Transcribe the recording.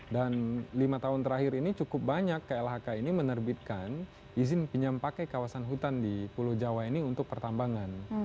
dan lima tahun terakhir ini cukup banyak klhk ini menerbitkan izin pinjam pakai kawasan hutan di pulau jawa ini untuk pertambangan